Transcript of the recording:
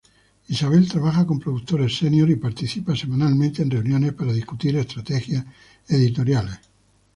Isabel trabaja con productores Senior y participa semanalmente en reuniones para discutir estrategias editoriales.